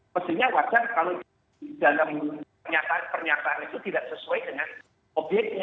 mestinya wajar kalau dalam pernyataan pernyataan itu tidak sesuai dengan obyeknya